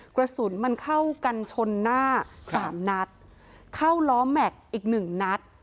กระสุนมันเข้ากันชนหน้าสามนัดเข้าล้อแม็กซ์อีกหนึ่งนัด